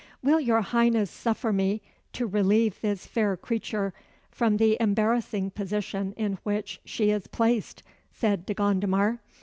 "Will your Highness suffer me to relieve this fair creature from the embarrassing position in which she is placed," said De Gondomar.